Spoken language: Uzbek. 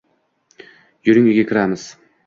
Yuring uyga kiramiz